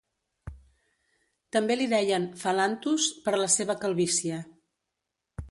També li deien "Phalanthus", per la seva calvície.